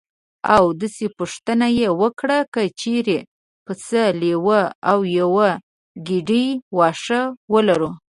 او داسې پوښتنه یې وکړه: که چېرې پسه لیوه او یوه ګېډۍ واښه ولرو.